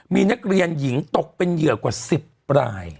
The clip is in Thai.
มีนักเรียนหญิงตกเป็นเหยื่อกว่า๑๐ราย